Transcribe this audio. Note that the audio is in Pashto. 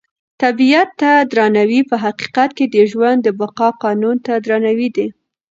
طبیعت ته درناوی په حقیقت کې د ژوند د بقا قانون ته درناوی دی.